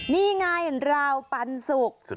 นี่ไงราวปันสุก